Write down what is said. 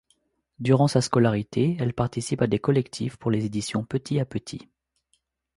Durant sa scolarité, elle participe à des collectifs pour les éditions Petit à Petit.